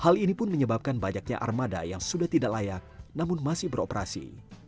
hal ini pun menyebabkan banyaknya armada yang sudah tidak layak namun masih beroperasi